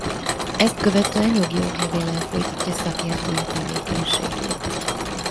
Ezt követően jogi oklevéllel folytatja szakértői tevékenységét.